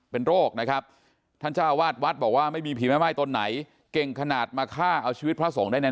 เป็นโรคนะครับท่านเจ้าวาดวัดบอกว่าไม่มีผีแม่ไม้ตนไหนเก่งขนาดมาฆ่าเอาชีวิตพระสงฆ์ได้แน